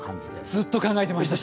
ずっと考えてました、